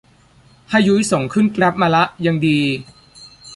ให้ยุ้ยส่งขึ้นแกร๊บมาละ ยังดี